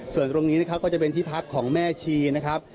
ส่วนตรงนี้นะครับก็จะเป็นที่พักของแม่ชีนะครับ